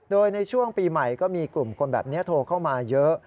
โดยในช่วงปีใหม่ก็มีกลุ่มคนแบบนี้โทรเข้ามาเยอะ